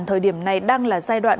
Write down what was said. thời điểm này đang là giai đoạn